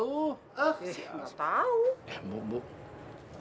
ibu kenapa si asma yang sekarang itu berubah ya